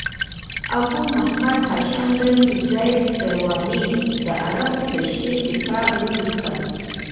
ابو محمد هاشم بن زید سرواني د عربو د شعر کتاب ولیکه.